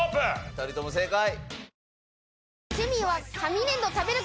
二人とも正解！